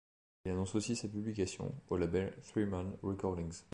Il annonce aussi sa publication au label Threeman Recordings.